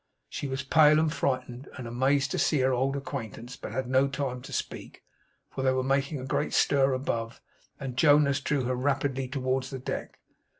She was pale and frightened, and amazed to see her old acquaintance; but had no time to speak, for they were making a great stir above; and Jonas drew her rapidly towards the deck.